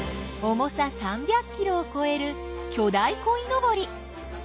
重さ３００キロをこえる巨大こいのぼり。